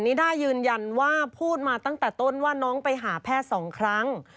นิด้ายืนยันว่าพูดมาตั้งแต่ต้นว่าน้องไปหาแพทย์สองครั้ง